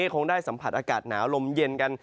คงได้สัมผัสอากาศหนาวลมเย็นกัน